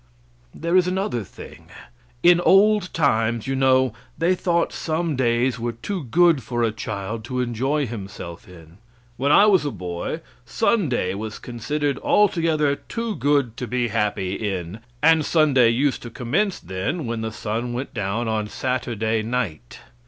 There is another thing. In old times, you know, they thought some days were too good for a child to enjoy himself in. When I was a boy Sunday was considered altogether too good to be happy in; and Sunday used to commence then when the sun went down Saturday night.